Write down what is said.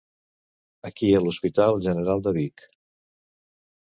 Aquí a l'Hospital General de Vic.